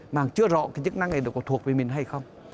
mà chưa rõ cái chức năng này có thuộc về mình hay không